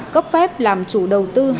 cấp phép làm chủ đầu tư